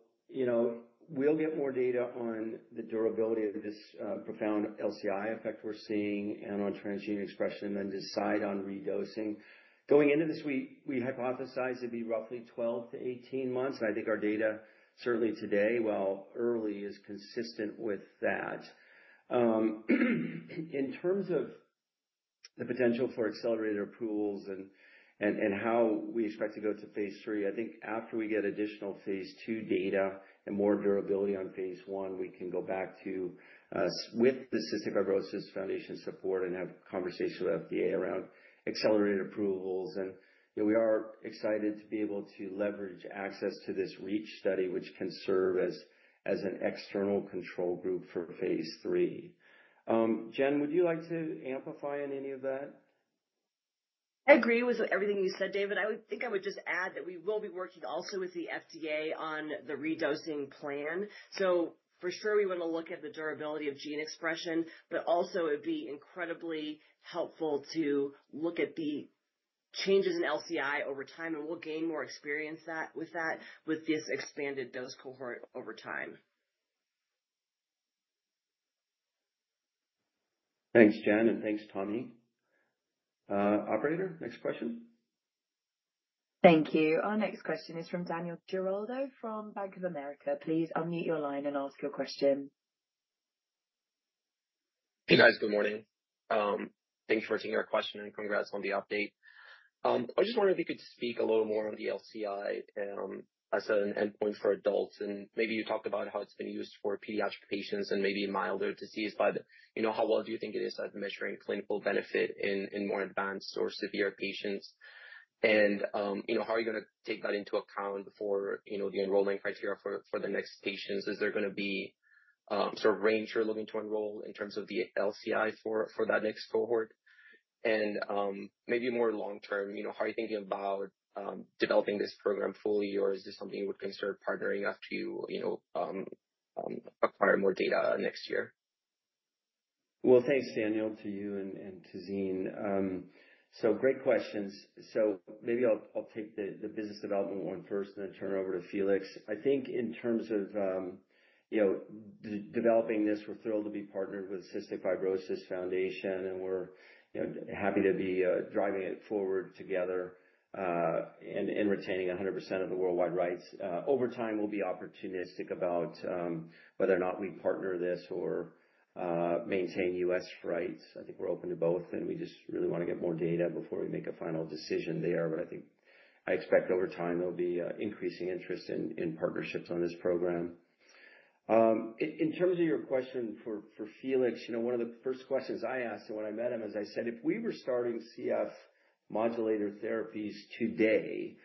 we'll get more data on the durability of this profound LCI effect we're seeing and on transgene expression and then decide on redosing. Going into this, we hypothesize it'd be roughly 12 to 18 months. And I think our data certainly today, while early, is consistent with that. In terms of the potential for accelerated approvals and how we expect to go to phase III, I think after we get additional phase II data and more durability on phase I, we can go back to with the Cystic Fibrosis Foundation support and have conversations with the FDA around accelerated approvals. We are excited to be able to leverage access to this REACH study, which can serve as an external control group for phase III. Jen, would you like to amplify on any of that? I agree with everything you said, David. I think I would just add that we will be working also with the FDA on the redosing plan. So for sure, we want to look at the durability of gene expression, but also it would be incredibly helpful to look at the changes in LCI over time, and we'll gain more experience with that with this expanded dose cohort over time. Thanks, Jen, and thanks, Tommie. Operator, next question. Thank you. Our next question is from Daniel Giraldo from Bank of America. Please unmute your line and ask your question. Hey, guys. Good morning. Thank you for taking our question, and congrats on the update. I just wondered if you could speak a little more on the LCI as an endpoint for adults. And maybe you talked about how it's been used for pediatric patients and maybe milder disease, but how well do you think it is at measuring clinical benefit in more advanced or severe patients? And how are you going to take that into account for the enrollment criteria for the next patients? Is there going to be sort of a range you're looking to enroll in terms of the LCI for that next cohort? And maybe more long-term, how are you thinking about developing this program fully, or is this something you would consider partnering after you acquire more data next year? Thanks, Daniel, to you and to the team. Great questions. Maybe I'll take the business development one first and then turn it over to Felix. I think in terms of developing this, we're thrilled to be partnered with Cystic Fibrosis Foundation, and we're happy to be driving it forward together and retaining 100% of the worldwide rights. Over time, we'll be opportunistic about whether or not we partner this or maintain U.S. rights. I think we're open to both, and we just really want to get more data before we make a final decision there. But I think I expect over time there'll be increasing interest in partnerships on this program. In terms of your question for Felix, one of the first questions I asked him when I met him, as I said, if we were starting CF modulator therapies today,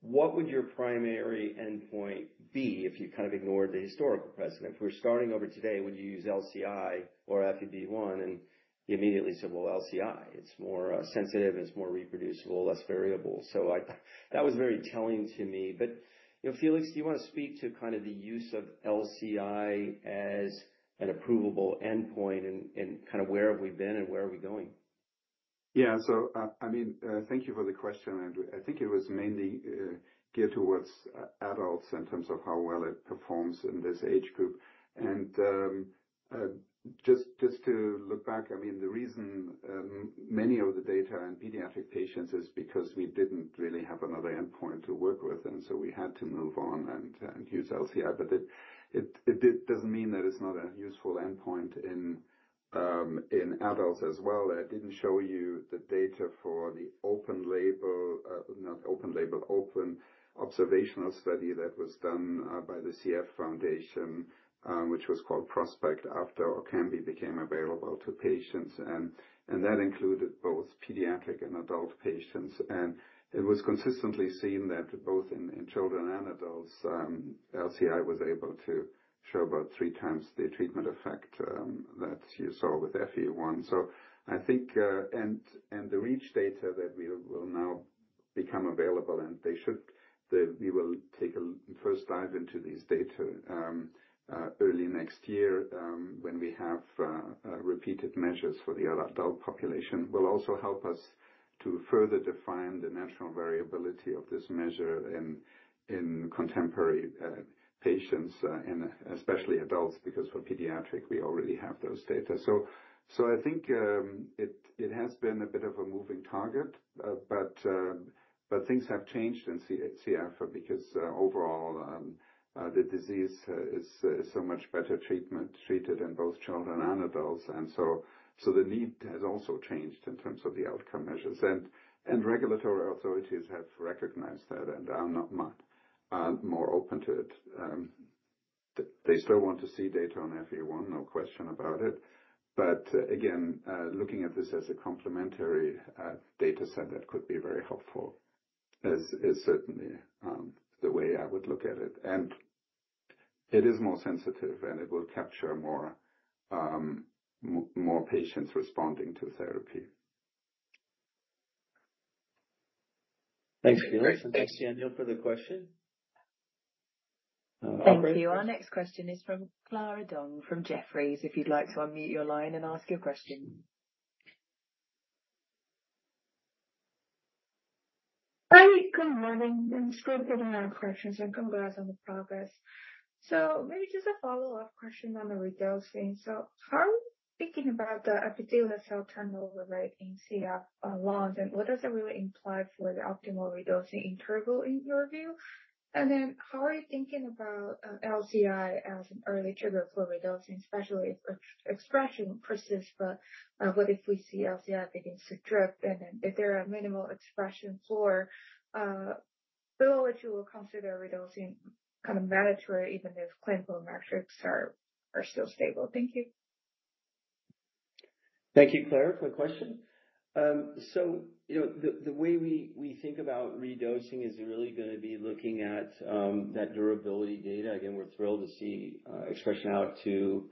what would your primary endpoint be if you kind of ignored the historical precedent? If we're starting over today, would you use LCI or FEV1? And he immediately said, "Well, LCI. It's more sensitive, and it's more reproducible, less variable." So that was very telling to me. But Felix, do you want to speak to kind of the use of LCI as an approvable endpoint and kind of where have we been and where are we going? Yeah. So I mean, thank you for the question. And I think it was mainly geared towards adults in terms of how well it performs in this age group. And just to look back, I mean, the reason many of the data on pediatric patients is because we didn't really have another endpoint to work with, and so we had to move on and use LCI. But it doesn't mean that it's not a useful endpoint in adults as well. I didn't show you the data for the open observational study that was done by the CF Foundation, which was called PROSPECT after Orkambi became available to patients. And that included both pediatric and adult patients. And it was consistently seen that both in children and adults, LCI was able to show about three times the treatment effect that you saw with FEV1. I think, and the REACH data that will now become available, and we will take a first dive into these data early next year when we have repeated measures for the adult population, will also help us to further define the natural variability of this measure in contemporary patients, and especially adults, because for pediatric, we already have those data. I think it has been a bit of a moving target, but things have changed in CF because overall, the disease is so much better treated in both children and adults. The need has also changed in terms of the outcome measures. Regulatory authorities have recognized that and are now more open to it. They still want to see data on FEV1, no question about it. But again, looking at this as a complementary data set, that could be very helpful, is certainly the way I would look at it. And it is more sensitive, and it will capture more patients responding to therapy. Thanks, Felix. And thanks, Daniel, for the question. Thank you. Our next question is from Clara Dong from Jefferies, if you'd like to unmute your line and ask your question. Hi. Good morning. I'm scrolling through my questions, and congrats on the progress. So maybe just a follow-up question on the redosing. So how are you thinking about the epithelial cell turnover rate in CF lungs, and what does it really imply for the optimal redosing interval in your view? And then how are you thinking about LCI as an early trigger for redosing, especially if expression persists? But what if we see LCI begins to drip, and then if there are minimal expression floors, what would you consider redosing kind of mandatory, even if clinical metrics are still stable? Thank you. Thank you, Clara, for the question. So the way we think about redosing is really going to be looking at that durability data. Again, we're thrilled to see expression out to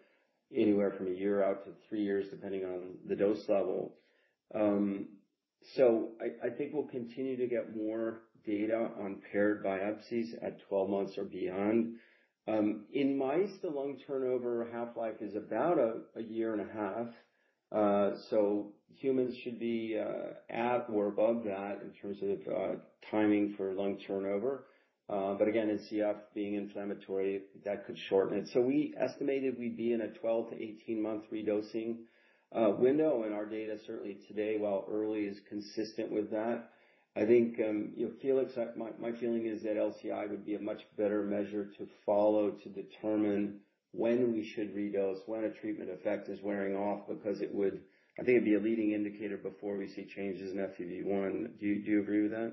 anywhere from a year out to three years, depending on the dose level. So I think we'll continue to get more data on paired biopsies at 12 months or beyond. In mice, the lung turnover half-life is about a year and a half. So humans should be at or above that in terms of timing for lung turnover. But again, in CF being inflammatory, that could shorten it. So we estimated we'd be in a 12-18 months redosing window, and our data certainly today, while early, is consistent with that. I think, Felix, my feeling is that LCI would be a much better measure to follow to determine when we should redose, when a treatment effect is wearing off, because I think it'd be a leading indicator before we see changes in FEV1. Do you agree with that?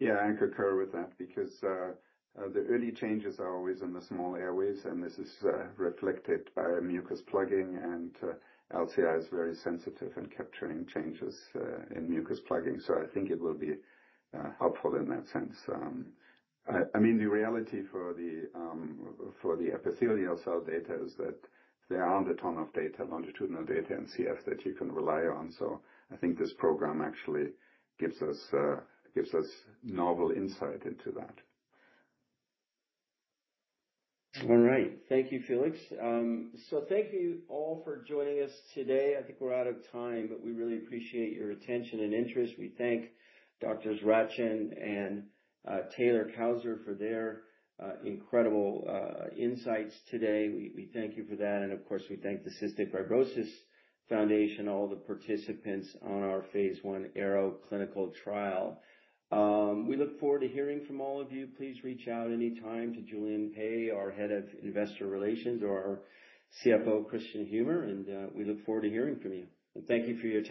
Yeah, I concur with that because the early changes are always in the small airways, and this is reflected by mucus plugging, and LCI is very sensitive in capturing changes in mucus plugging. So I think it will be helpful in that sense. I mean, the reality for the epithelial cell data is that there aren't a ton of data, longitudinal data in CF that you can rely on. So I think this program actually gives us novel insight into that. All right. Thank you, Felix. So thank you all for joining us today. I think we're out of time, but we really appreciate your attention and interest. We thank Doctors Ratjen and Taylor-Cousar for their incredible insights today. We thank you for that. And of course, we thank the Cystic Fibrosis Foundation, all the participants on our phase 1/2 AEROW trial. We look forward to hearing from all of you. Please reach out anytime to Julian Pei, our head of investor relations, or our CFO, Christian Humer. And we look forward to hearing from you. And thank you for your.